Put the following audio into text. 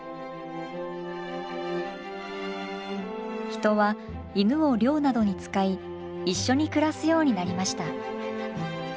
人は犬を猟などに使い一緒に暮らすようになりました。